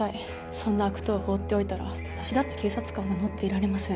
そんな悪党放っておいたら私だって警察官を名乗っていられません